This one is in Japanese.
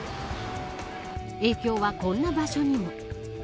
今日はこんな場所にも。